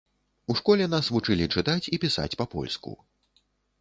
У школе нас вучылі чытаць і пісаць па-польску.